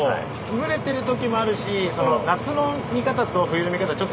群れてる時もあるし夏の見方と冬の見方ちょっと違くて。